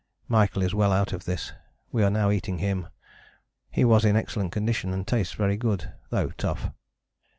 Michael is well out of this: we are now eating him. He was in excellent condition and tastes very good, though tough."